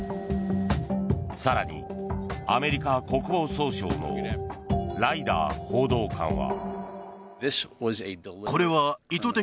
更に、アメリカ国防総省のライダー報道官は。